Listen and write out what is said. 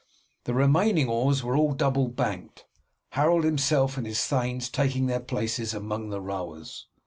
The remaining oars were all double banked, Harold himself and his thanes taking their places among the rowers.